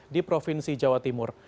di provinsi jawa timur